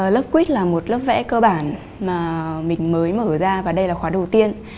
lớp quýt là một lớp vẽ cơ bản mà mình mới mở ra và đây là khóa đầu tiên